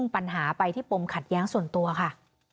ไปที่ปมขัดแย้งส่วนตัวค่ะ